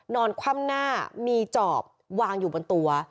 คว่ำหน้ามีจอบวางอยู่บนตัว